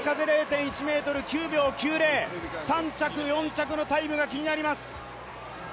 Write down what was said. ３着、４着のタイムが気になります。